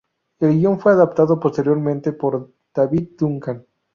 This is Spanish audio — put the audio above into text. El guion fue adaptado posteriormente por David Duncan.